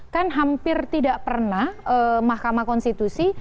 kan hampir tidak pernah mahkamah konstitusi